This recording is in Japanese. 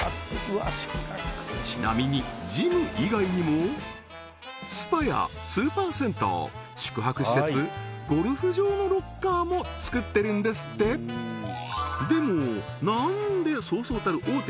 ちなみにジム以外にもスパやスーパー銭湯宿泊施設ゴルフ場のロッカーも作ってるんですってでもなんでそうそうたる大手